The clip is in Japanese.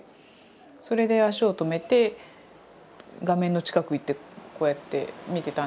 それで足を止めて画面の近く行ってこうやって見てたんですが。